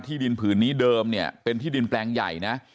ดินผืนนี้เดิมเนี่ยเป็นที่ดินแปลงใหญ่นะ